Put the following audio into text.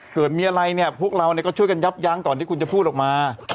เกิดมีอะไรเนี่ยพวกเราก็ช่วยกันยับยั้งก่อนที่คุณจะพูดออกมา